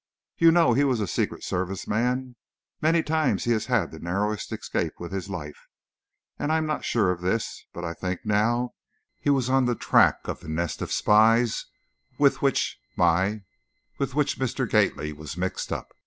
"You know, he was a Secret Service man. Many times he has had the narrowest escape with his life, and I'm not sure of this, but I think now, he was on the track of the nest of spies with which my with which Mr. Gately was mixed up.